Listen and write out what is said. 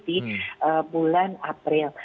di bulan april